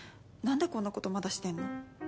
なんでこんなことまだしてんの？